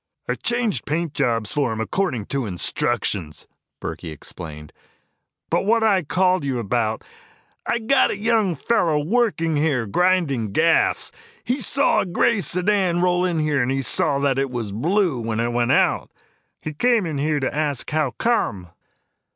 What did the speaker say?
"I changed paint jobs for him according to instructions," Burkey explained. "But what I called you about, I got a young fellow working here, grinding gas. He saw the gray sedan roll in here and he saw that it was blue when it went out. He came to me to ask how come."